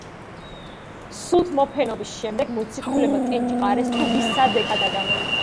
სულთმოფენობის შემდეგ მოციქულებმა კენჭი ყარეს თუ ვის სად ექადაგა.